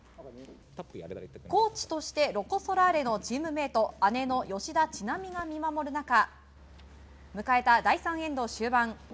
コーチとしてロコ・ソラーレのチームメート姉の吉田知那美が見守る中迎えた第３エンド終盤